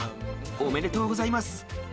おめでとうございます。